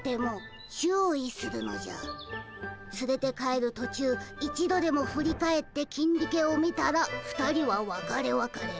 つれて帰る途中一度でも振り返ってキンディケを見たら２人はわかれわかれ。